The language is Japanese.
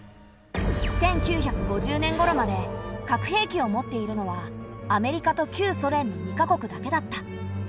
１９５０年ごろまで核兵器を持っているのはアメリカと旧ソ連の２か国だけだった。